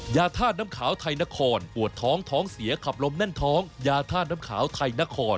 ยาท่าน้ำขาวไทยนครปวดท้องท้องเสียขับลมแน่นท้องยาท่าน้ำขาวไทยนคร